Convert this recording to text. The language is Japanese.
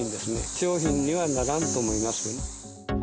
商品にはならんと思います。